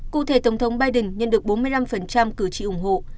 cụ thể tổng thống biden nhận được bốn mươi năm cử tri ủng hộ